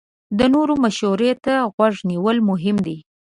د نورو مشورې ته غوږ نیول مهم دي.